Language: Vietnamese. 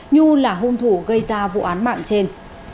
nhu là hung thủ gây ra vụ án mạng trên